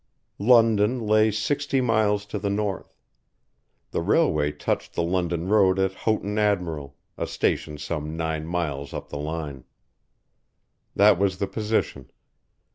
London lay sixty miles to the north. The railway touched the London road at Houghton Admiral, a station some nine miles up the line. That was the position.